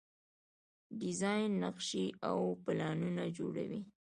ډیزاین نقشې او پلانونه جوړوي.